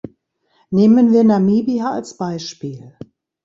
Nehmen wir Namibia als Beispiel.